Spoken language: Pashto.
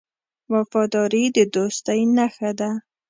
وفاداري د دوستۍ نښه ده.